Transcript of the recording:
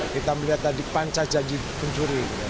kita melihat tadi pancah jadi pencuri